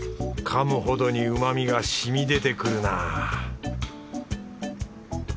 かむほどにうまみがしみ出てくるなぁ